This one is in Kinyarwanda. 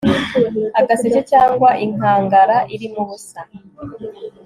agaseke cyangwa inkangara irimo ubusa